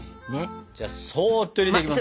じゃあそっと入れていきます。